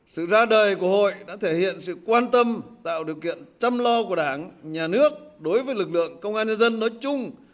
sự ra đời của hội đã thể hiện sự quan tâm tạo điều kiện chăm lo của đảng nhà nước đối với lực lượng công an nhân dân nói chung